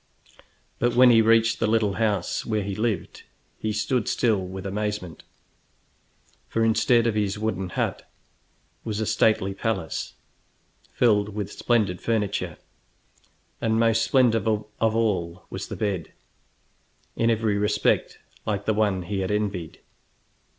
But when he reached the little house where he lived, he stood still with amazement, for instead of his wooden hut was a stately palace filled with splendid furniture, and most splendid of all was the bed, in every respect like the one he had envied.